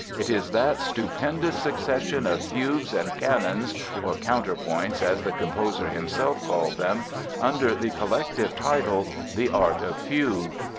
It is that stupendous succession of fugues and canons (or "counterpoints," as the composer himself called them) under the collective title The Art of Fugue.